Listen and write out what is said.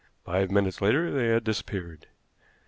Five minutes later they had disappeared.